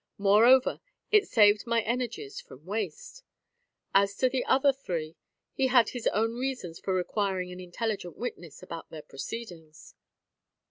Moreover, it saved my energies from waste. As to the other three, he had his own reasons for requiring an intelligent witness about their proceedings."